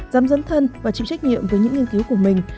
dám dấn thân và chịu trách nhiệm với những nghiên cứu của mình